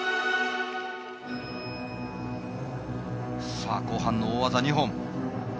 さあ後半の大技２本。